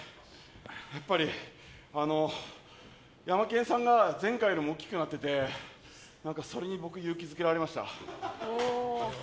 やっぱり、ヤマケンさんが前回よりも大きくなっててそれに僕、勇気づけられました。